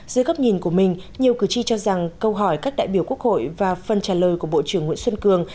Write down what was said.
dưới góc nhìn của mình nhiều cử tri cho rằng câu hỏi các đại biểu quốc hội và phần trả lời của bộ trưởng nguyễn xuân cường